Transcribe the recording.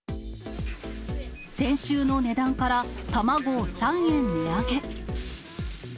先週の値段から卵を３円値上げ。